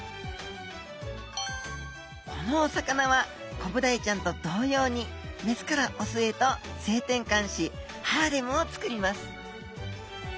このお魚はコブダイちゃんと同様にメスからオスへと性転換しハーレムをつくります。